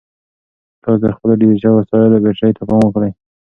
تاسو د خپلو ډیجیټل وسایلو بیټرۍ ته پام وکړئ.